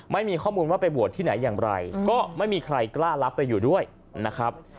ไม่มีข้อมูลว่าไปบวชที่ไหนอย่างไรก็ไม่มีใครกล้ารับไปอยู่ด้วยนะครับ